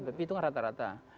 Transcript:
tapi itu kan rata rata